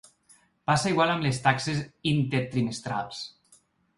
Passa igual amb les taxes intertrimestrals.